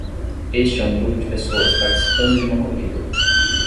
este é um grupo de pessoas participando de uma corrida